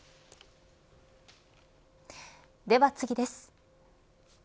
では次です。